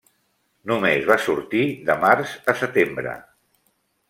Només va sortir de març a setembre.